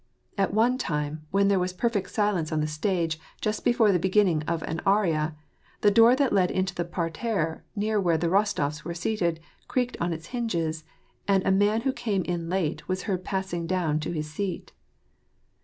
At one time, when there was perfect silence on the stage just before the beginning of an aria, the door that led into the parterre near where the Kostofs were seated creaked on its hinges, and a man who came in late was heard passing down to his seat.